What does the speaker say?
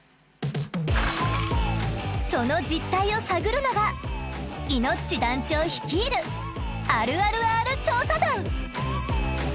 その実態を探るのがイノッチ団長率いる「あるあるＲ調査団」。